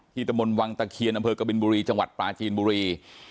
ตะมนต์วังตะเคียนอำเภอกบินบุรีจังหวัดปลาจีนบุรี